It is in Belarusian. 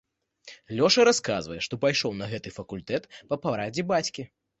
Лёша расказвае, што пайшоў на гэты факультэт па парадзе бацькі.